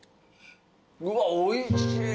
うわっおいしい。